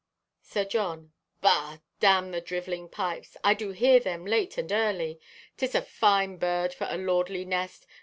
(Sir John) "Bah! Damn the drivelling pipes! I do hear them late and early. 'Tis a fine bird for a lordly nest!